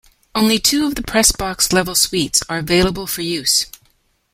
Only two of the Press Box level suites are available for use.